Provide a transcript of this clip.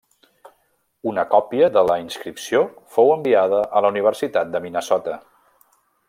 Una còpia de la inscripció fou enviada a la Universitat de Minnesota.